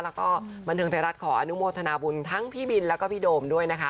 แล้วก็บันเทิงไทยรัฐขออนุโมทนาบุญทั้งพี่บินแล้วก็พี่โดมด้วยนะคะ